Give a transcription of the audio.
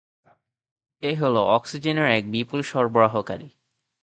এ হলো অক্সিজেনের এক বিপুল সরবরাহকারী।